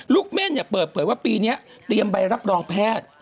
เม่นเปิดเผยว่าปีนี้เตรียมใบรับรองแพทย์